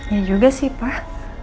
ya juga sih pak